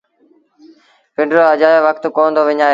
پنڊرو اَجآيو وکت ڪونا دو وڃآئي